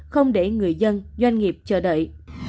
không để người dân doanh nghiệp chờ đợi